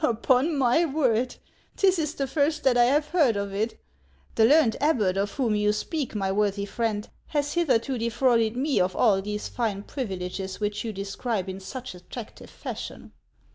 " Upon my word, this is the first that I have heard of it. The learned abbot of whom you speak, my worthy friend, has hitherto defrauded me of all these fine privileges which you describe in such attractive fashion.